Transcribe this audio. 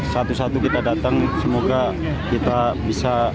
satu satu kita datang semoga kita bisa